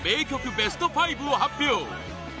ベスト５を発表